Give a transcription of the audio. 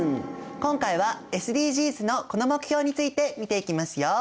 今回はＳＤＧｓのこの目標について見ていきますよ。